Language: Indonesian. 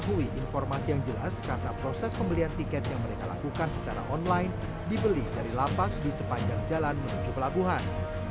mengetahui informasi yang jelas karena proses pembelian tiket yang mereka lakukan secara online dibeli dari lapak di sepanjang jalan menuju pelabuhan